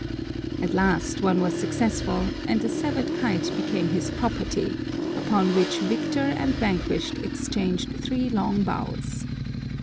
At last one was successful, and the severed kite became his property, upon which victor and vanquished exchanged three low bows.